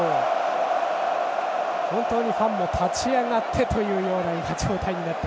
本当にファンも立ち上がってという状態になって。